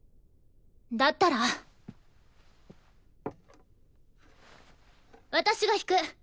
だったら私が弾く。